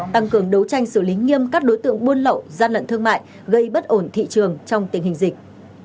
tăng cường đấu tranh xử lý nghiêm các đối tượng buôn lậu gian lận thương mại gây bất ổn thị trường trong tình hình dịch